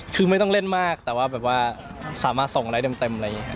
คือไม่ต้องเล่นมากฟังว่าสามารถส่งอะไรแดมเลยค่ะ